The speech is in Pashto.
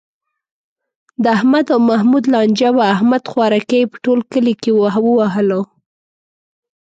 د احمد او محمود لانجه وه، احمد خوارکی یې په ټول کلي و وهلو.